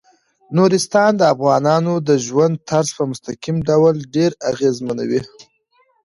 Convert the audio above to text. نورستان د افغانانو د ژوند طرز په مستقیم ډول ډیر اغېزمنوي.